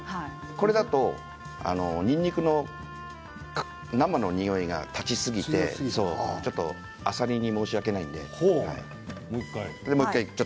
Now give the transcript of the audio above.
これだと生のにおいがにんにくの生のにおいが立ちすぎてあさりに申し訳ないので。